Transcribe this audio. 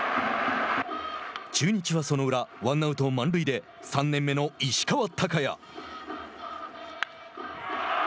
中日はその裏ワンアウト、満塁で３年目の石川昂弥。